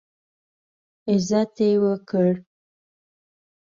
عزت یې وکړ.